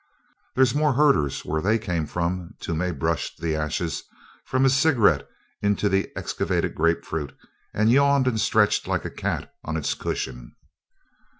"There's more herders where they came from." Toomey brushed the ashes from his cigarette into the excavated grapefruit, and yawned and stretched like a cat on its cushion.